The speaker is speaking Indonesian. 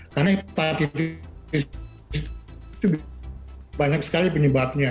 karena hepatitis itu banyak sekali penyebabnya